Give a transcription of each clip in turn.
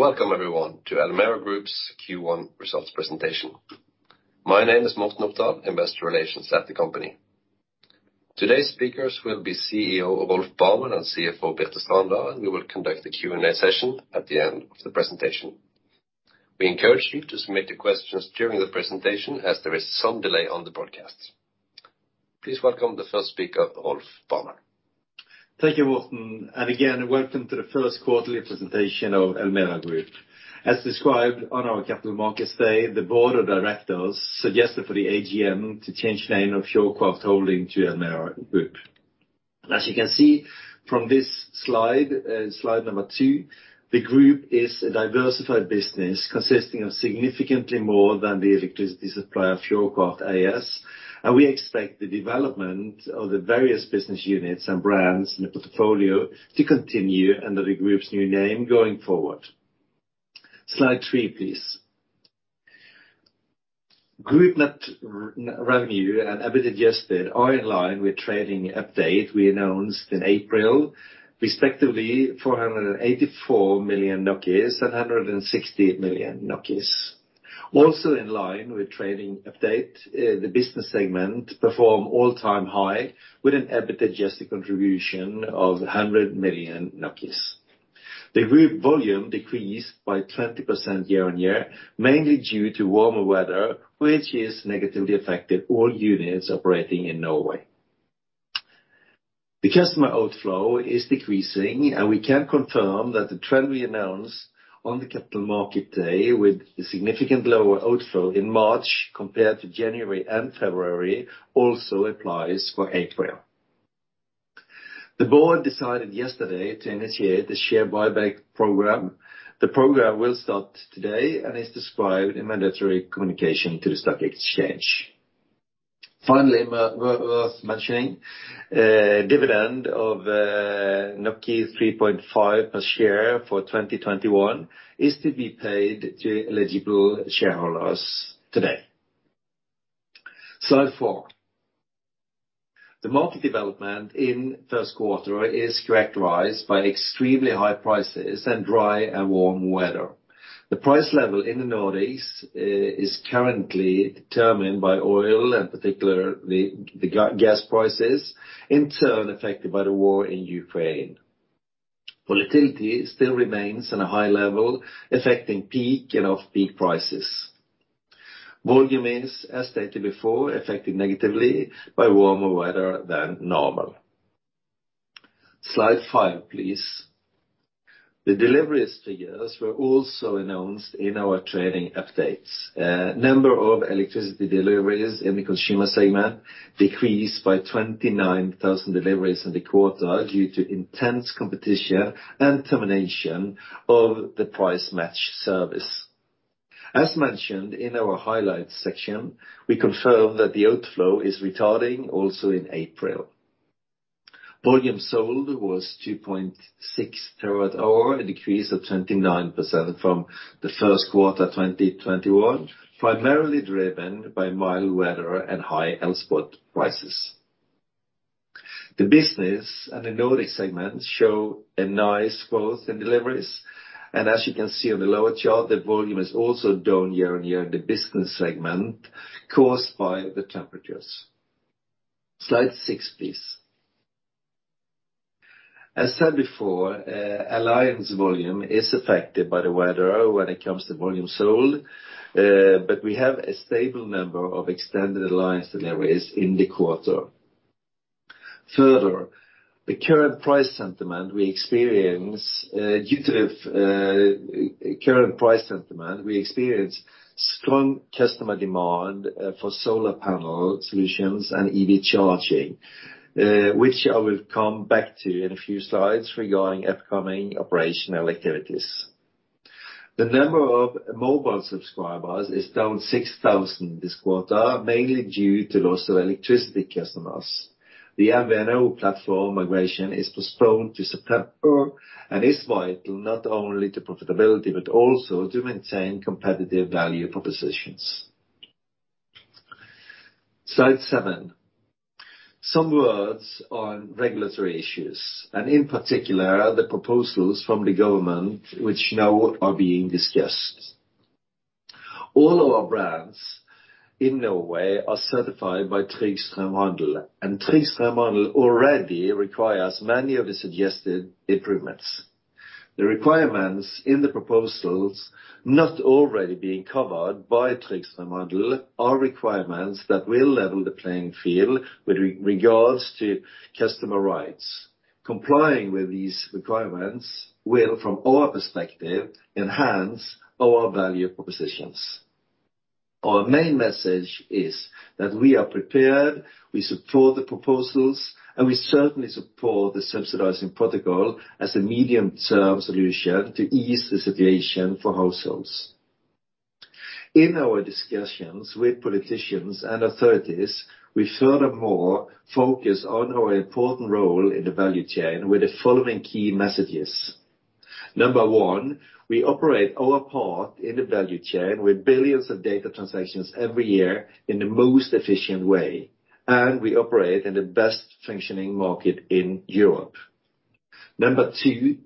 Welcome everyone to Elmera Group's Q1 results presentation. My name is Morten Opdal, investor relations at the company. Today's speakers will be CEO Rolf Barmen and CFO Birte Strander, and we will conduct the Q&A session at the end of the presentation. We encourage you to submit the questions during the presentation as there is some delay on the broadcast. Please welcome the first speaker, Rolf Barmen. Thank you, Morten. Again, welcome to the Q1 presentation of Elmera Group. As described on our Capital Markets Day, the board of directors suggested for the AGM to change the name of Fjordkraft Holding to Elmera Group. As you can see from this slide number 2, the group is a diversified business consisting of significantly more than the electricity supply of Fjordkraft AS. We expect the development of the various business units and brands in the portfolio to continue under the group's new name going forward. Slide three, please. Group net revenue and EBITDA LTM are in line with trading update we announced in April, respectively 484 million and 160 million. Also in line with trading update, the business segment performance all-time high with an EBITDA LTM contribution of 100 million. The group volume decreased by 20% year-on-year, mainly due to warmer weather, which has negatively affected all units operating in Norway. The customer outflow is decreasing, and we can confirm that the trend we announced on the Capital Markets Day with a significant lower outflow in March compared to January and February also applies for April. The board decided yesterday to initiate the share buyback program. The program will start today and is described in mandatory communication to the stock exchange. Finally, worth mentioning, dividend of 3.5 per share for 2021 is to be paid to eligible shareholders today. Slide 4. The market development in Q1 is characterized by extremely high prices and dry and warm weather. The price level in the Nordics is currently determined by oil, and particularly the gas prices, in turn affected by the war in Ukraine. Volatility still remains at a high-level, affecting peak and off-peak prices. Volumes, as stated before, affected negatively by warmer weather than normal. Slide five, please. The deliveries to us were also announced in our trading updates. Number of electricity deliveries in the consumer segment decreased by 29,000 deliveries in the quarter due to intense competition and termination of the price match service. As mentioned in our highlights section, we confirm that the outflow is retarding also in April. Volume sold was 2.6 terawatt-hours, a decrease of 29% from the Q1 2021, primarily driven by mild weather and high-Elspot prices. The business and the Nordic segments show a nice growth in deliveries. As you can see on the lower-chart, the volume is also down year-on-year in the business segment caused by the temperatures. Slide six, please. As said before, alliance volume is affected by the weather when it comes to volume sold, but we have a stable number of extended alliance deliveries in the quarter. Further, the current price sentiment we experience, we experience strong customer demand for solar panel solutions and EV charging, which I will come back to in a few slides regarding upcoming operational activities. The number of mobile subscribers is down 6,000 this quarter, mainly due to loss of electricity customers. The MVNO platform migration is postponed to September and is vital not only to profitability, but also to maintain competitive value propositions. Slide seven. Some words on regulatory issues, and in particular, the proposals from the government which now are being discussed. All of our brands in Norway are certified by Trygg Strømhandel, and Trygg Strømhandel already requires many of the suggested improvements. The requirements in the proposals not already being covered by Trygg Strømhandel are requirements that will level the playing field with regards to customer rights. Complying with these requirements will, from our perspective, enhance our value propositions. Our main message is that we are prepared, we support the proposals, and we certainly support the subsidizing protocol as a medium-term solution to ease the situation for households. In our discussions with politicians and authorities, we furthermore focus on our important role in the value chain with the following key messages. Number one, we operate our part in the value chain with billions of data transactions every year in the most efficient way, and we operate in the best functioning market in Europe. Number two,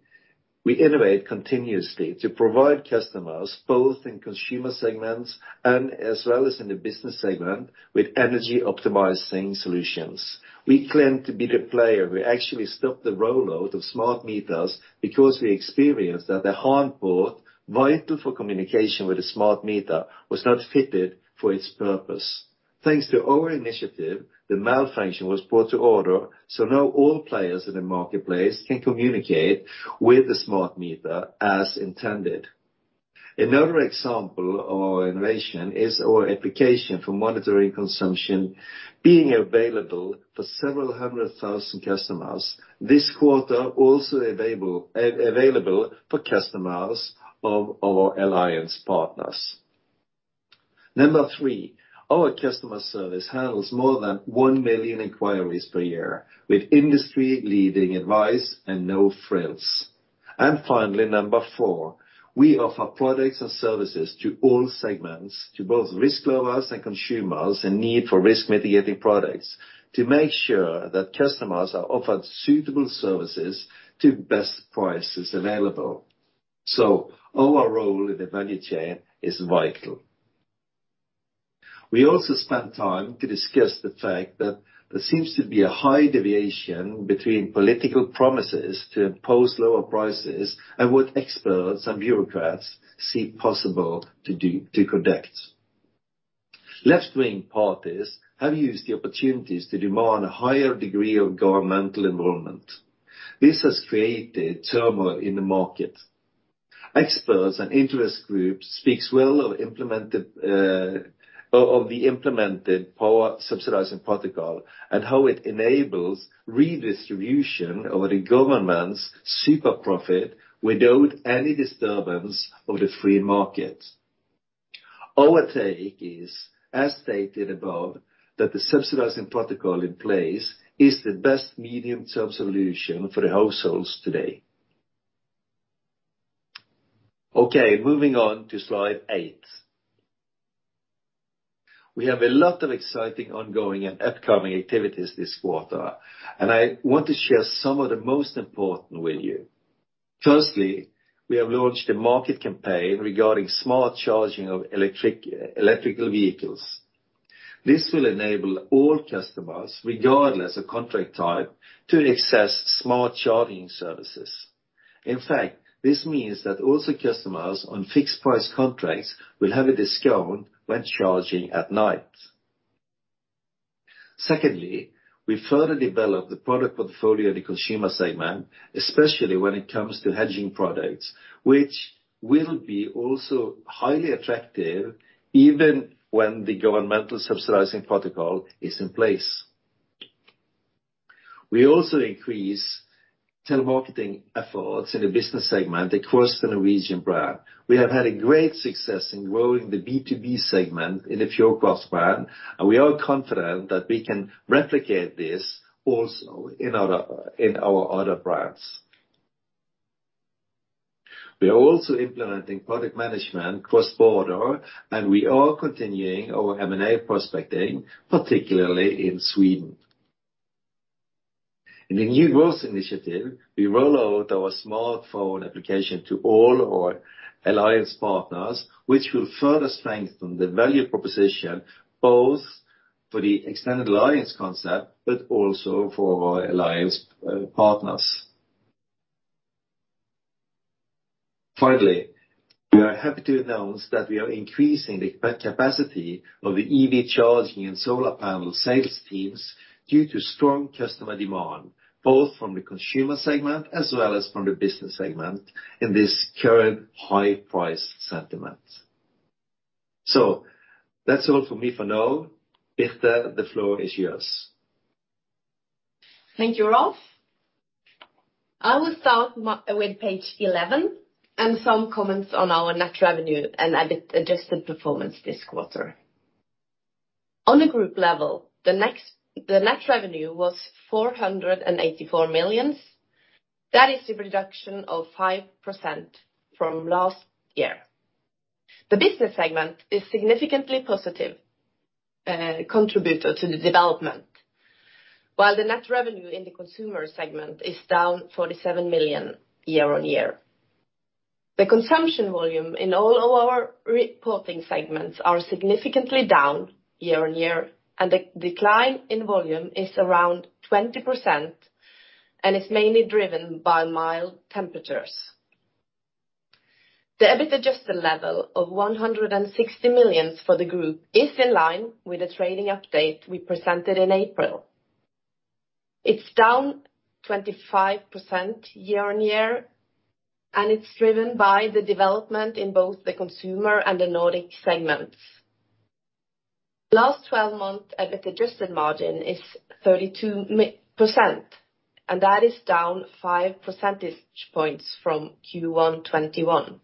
we innovate continuously to provide customers, both in consumer segments and as well as in the business segment, with energy optimizing solutions. We claim to be the player. We actually stopped the rollout of smart meters because we experienced that the hardware vital for communication with the smart meter was not fitted for its purpose. Thanks to our initiative, the malfunction was brought to order, so now all players in the marketplace can communicate with the smart meter as intended. Another example of innovation is our application for monitoring consumption being available for several hundred thousand customers this quarter, also available for customers of our alliance partners. Number three, our customer service handles more than 1 million inquiries per year with industry-leading advice and no frills. Finally, number four, we offer products and services to all segments, to both risk lovers and consumers in need for risk mitigating products to make sure that customers are offered suitable services to best prices available. Our role in the value chain is vital. We also spent time to discuss the fact that there seems to be a high-deviation between political promises to impose lower prices and what experts and bureaucrats see possible to conduct. Left-wing parties have used the opportunities to demand a higher-degree of governmental involvement. This has created turmoil in the market. Experts and interest groups speaks well of the implemented power subsidizing protocol and how it enables redistribution of the government's super profit without any disturbance of the free market. Our take is, as stated above, that the subsidizing protocol in place is the best medium-term solution for the households today. Okay, moving on to slide eight. We have a lot of exciting ongoing and upcoming activities this quarter, and I want to share some of the most important with you. Firstly, we have launched a market campaign regarding smart charging of electric vehicles. This will enable all customers, regardless of contract type, to access smart charging services. In fact, this means that also customers on fixed price contracts will have a discount when charging at night. Secondly, we further develop the product portfolio in the consumer segment, especially when it comes to hedging products, which will be also highly attractive even when the governmental subsidizing protocol is in place. We also increase telemarketing efforts in the business segment across the Norwegian brand. We have had a great success in growing the B2B segment in the Fjordkraft brand, and we are confident that we can replicate this also in our other brands. We are also implementing product management cross-border, and we are continuing our M&A prospecting, particularly in Sweden. In the new growth initiative, we roll out our smartphone application to all our alliance partners, which will further strengthen the value proposition, both for the extended alliance concept but also for our alliance partners. Finally, we are happy to announce that we are increasing the capacity of the EV charging and solar panel sales teams due to strong customer demand, both from the consumer segment as well as from the business segment in this current high price sentiment. That's all for me for now. Birte, the floor is yours. Thank you, Rolf. I will start with page 11 and some comments on our net revenue and EBIT adjusted performance this quarter. On a group level, the net revenue was 484 million. That is a reduction of 5% from last year. The business segment is significantly positive contributor to the development, while the net revenue in the consumer segment is down 47 million year-on-year. The consumption volume in all our reporting segments are significantly down year-on-year, and the decline in volume is around 20% and is mainly driven by mild temperatures. The EBIT adjusted level of 160 million for the group is in line with the trading update we presented in April. It's down 25% year-on-year, and it's driven by the development in both the consumer and the Nordic segments. Last twelve months, EBIT adjusted margin is 32%. That is down 5 percentage points from Q1 2021.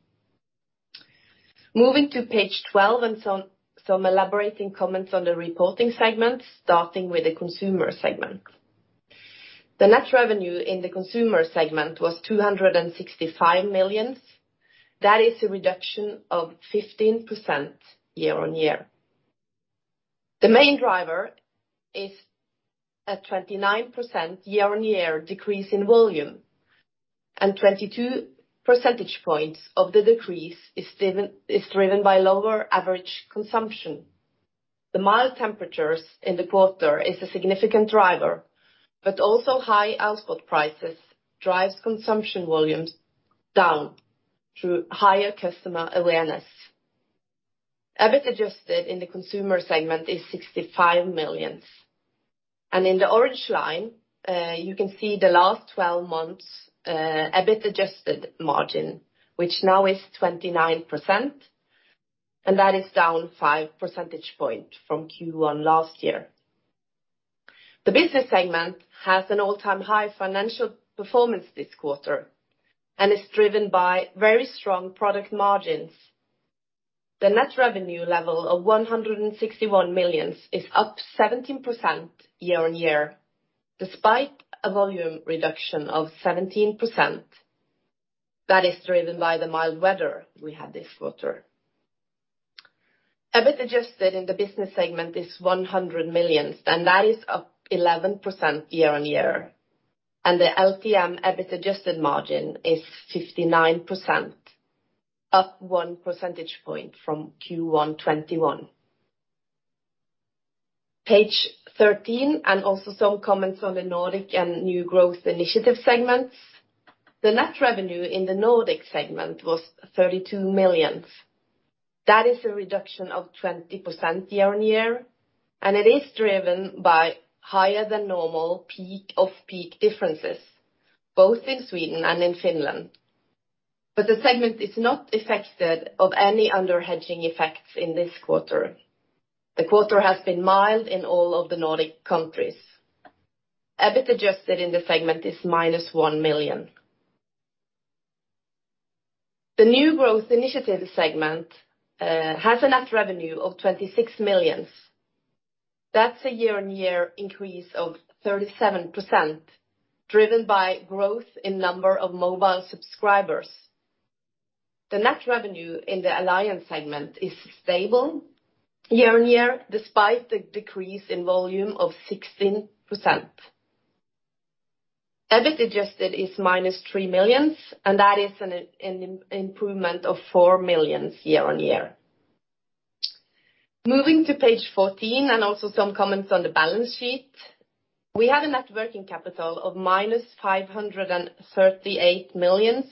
Moving to page twelve and some elaborating comments on the reporting segment, starting with the consumer segment. The net revenue in the consumer segment was 265 million. That is a reduction of 15% year-on-year. The main driver is a 29% year-on-year decrease in volume, and 22 percentage points of the decrease is driven by lower average consumption. The mild temperatures in the quarter is a significant driver, but also high-Elspot prices drives consumption volumes down through higher customer awareness. EBIT adjusted in the consumer segment is 65 million. In the orange line, you can see the last 12 months EBIT adjusted margin, which now is 29%, and that is down 5 percentage points from Q1 last year. The business segment has an all-time high financial performance this quarter, and is driven by very strong product margins. The net revenue level of 161 million is up 17% year-on-year, despite a volume reduction of 17% that is driven by the mild weather we had this quarter. EBIT adjusted in the business segment is 100 million, and that is up 11% year-on-year. The LTM EBIT adjusted margin is 59%, up 1 percentage point from Q1 2021. Page 13. Also some comments on the Nordic and new growth initiative segments. The net revenue in the Nordic segment was 32 million. That is a reduction of 20% year-on-year, and it is driven by higher than normal peak-off-peak differences, both in Sweden and in Finland. The segment is not affected of any under hedging effects in this quarter. The quarter has been mild in all of the Nordic countries. EBIT adjusted in the segment is -1 million. The new growth initiative segment has a net revenue of 26 million. That's a year-on-year increase of 37%, driven by growth in number of mobile subscribers. The net revenue in the alliance segment is stable year-on-year despite the decrease in volume of 16%. EBIT adjusted is -3 million, and that is an improvement of 4 million year-on-year. Moving to page 14, and also some comments on the balance sheet. We have a net working capital of -538 million.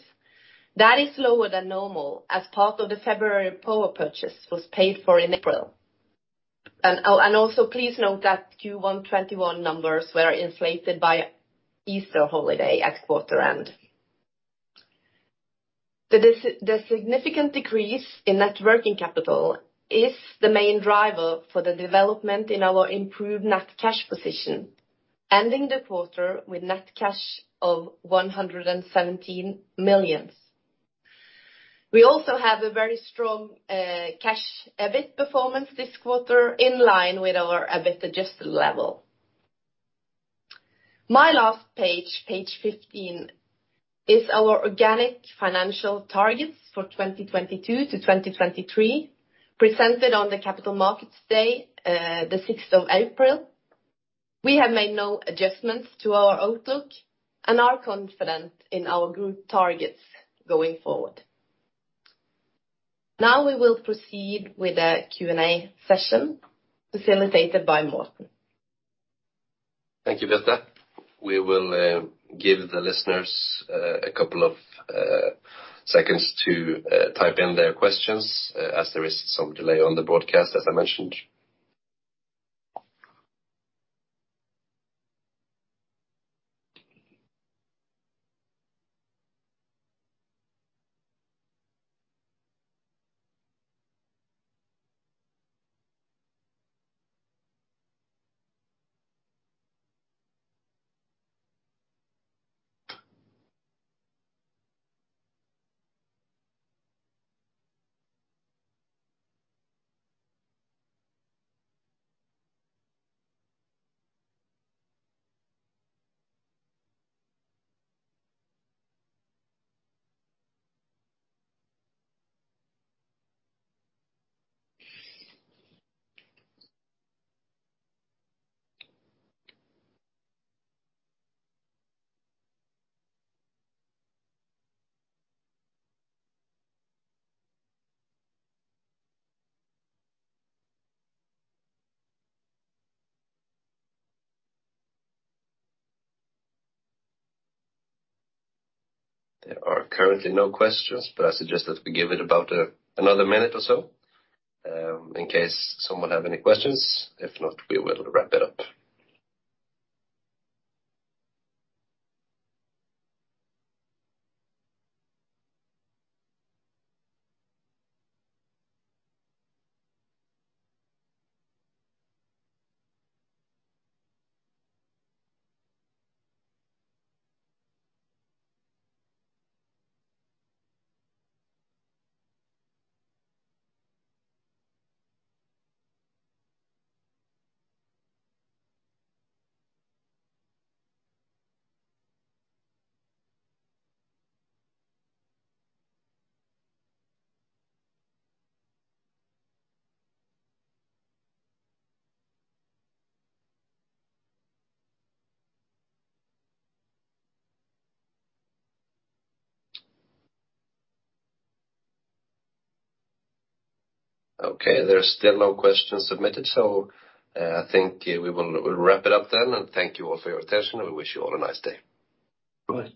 That is lower than normal as part of the February power purchase was paid for in April. Please note that Q1 2021 numbers were inflated by Easter holiday at quarter end. The significant decrease in net working capital is the main driver for the development in our improved net cash position, ending the quarter with net cash of 117 million. We also have a very strong, cash EBIT performance this quarter, in line with our EBIT adjusted level. My last page 15, is our organic financial targets for 2022-2023, presented on the Capital Markets Day, the sixth of April. We have made no adjustments to our outlook, and are confident in our group targets going forward. Now we will proceed with a Q&A session facilitated by Morten. Thank you, Birte. We will give the listeners a couple of seconds to type in their questions as there is some delay on the broadcast as I mentioned. There are currently no questions, but I suggest that we give it about another minute or so in case someone have any questions. If not, we will wrap it up. Okay, there are still no questions submitted, so I think we'll wrap it up then. Thank you all for your attention. We wish you all a nice day. Bye.